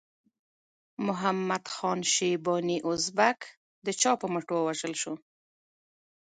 محمد خان شیباني ازبک د چا په مټ ووژل شو؟